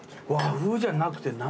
和風じゃなくて。